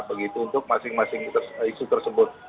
begitu untuk masing masing isu tersebut